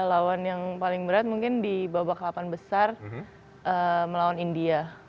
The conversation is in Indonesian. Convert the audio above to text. dan yang paling berat mungkin di babak delapan besar melawan india